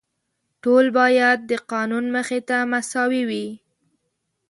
ټول باید د قانون مخې ته مساوي وي.